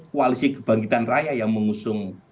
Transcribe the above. koalisi kebangkitan raya yang mengusung